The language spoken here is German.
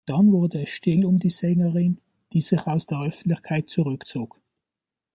Dann wurde es still um die Sängerin, die sich aus der Öffentlichkeit zurückzog.